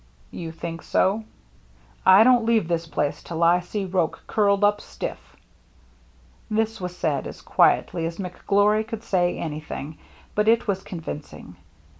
"You think so?" "I don't leave this place till I see Roche curled up stiff." This was said as quietly as McGlory could say anything, but it was con vincing.